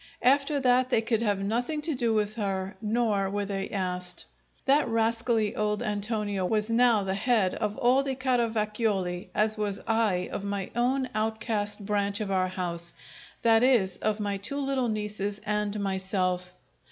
After that they would have nothing to do with her, nor were they asked. That rascally old Antonio was now the head of all the Caravacioli, as was I of my own outcast branch of our house that is, of my two little nieces and myself.